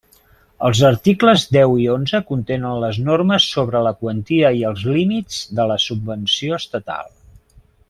Els articles deu i onze contenen les normes sobre la quantia i els límits de la subvenció estatal.